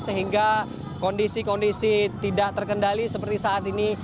sehingga kondisi kondisi tidak terkendali seperti saat ini